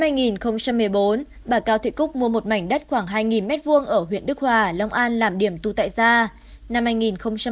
năm hai nghìn một mươi bốn bà cao thị cúc mua một mảnh đất khoảng hai m hai ở huyện đức hòa long an làm điểm tù tại gia đình